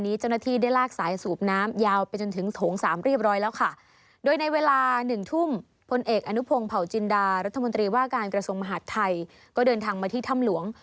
รัฐมนตรีว่าการกระทรวงมหาดไทยก็เดินทางมาที่ถ้ำหลวง